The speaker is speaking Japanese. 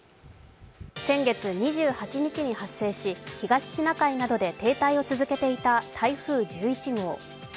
先月２８日に発生し東シナ海などで停滞を続けていた台風１１号。